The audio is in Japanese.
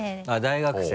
大学生。